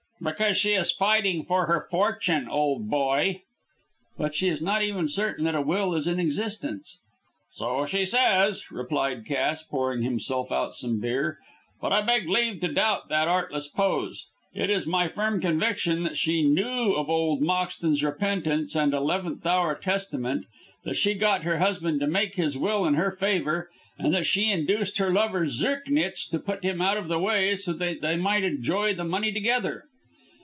"Because she is fighting for her fortune, old boy." "But she is not even certain that a will is in existence." "So she says," replied Cass, pouring himself out some beer; "but I beg leave to doubt that artless pose. It is my firm conviction that she knew of old Moxton's repentance and eleventh hour testament, that she got her husband to make his will in her favour, and that she induced her lover, Zirknitz, to put him out of the way so that they might enjoy the money together.